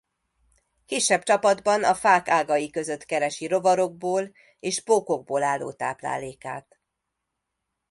Kisebb csapatban a fák ágai között keresi rovarokból és pókokból álló táplálékát.